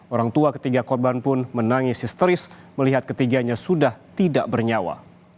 orang tua ketiga korban pun menangis histeris melihat ketiganya sudah tidak bernyawa